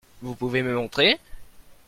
Vous pouvez me montrer ?